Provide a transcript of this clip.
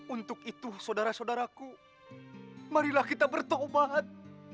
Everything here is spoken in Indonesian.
untuk itu saudara saudaraku marilah kita bertobat